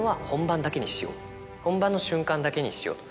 本番の瞬間だけにしよう。